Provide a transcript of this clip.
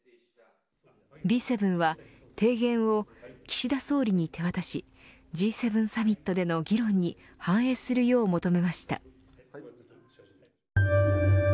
Ｂ７は、提言を岸田総理に手渡しＧ７サミットでの議論に反映するよう求めました。